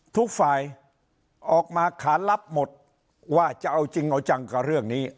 ทุกฝ่ายออกมาขารับหมดว่าจะเอาจริงเอาจังกับเรื่องนี้